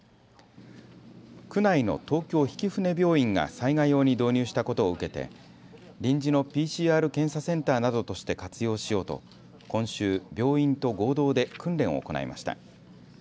区内の東京曳舟病院が災害用に導入したことを受けて臨時のＰＣＲ検査センターなどとして活用しようと今週、病院と合同で訓練を行いました。